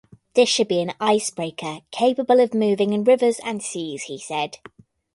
This should be an icebreaker capable of moving in rivers and seas, he said.